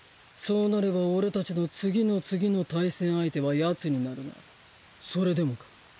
そうなれば俺たちの次の次の対戦相手はヤツになるがそれでもか？